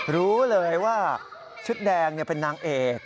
รู้เลยว่าชุดแดงเป็นนางเอก